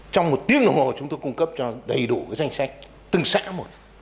trong một tiếng đồng hồ chúng tôi cung cấp cho đầy đủ danh sách từng xã một